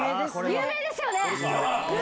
有名ですよね！